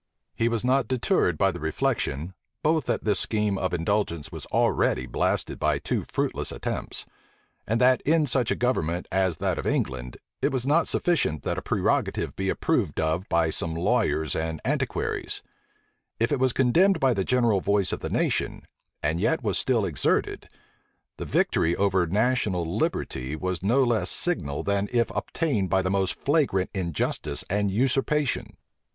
He was not deterred by the reflection, both that this scheme of indulgence was already blasted by two fruitless attempts; and that in such a government as that of England, it was not sufficient that a prerogative be approved of by some lawyers and antiquaries: if it was condemned by the general voice of the nation, and yet was still exerted, the victory over national liberty was no less signal than if obtained by the most flagrant injustice and usurpation.